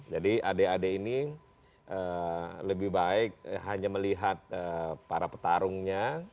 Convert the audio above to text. jadi adik adik ini lebih baik hanya melihat para petarungnya